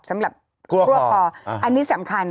สำหรับพวกคออันนี้สำคัญ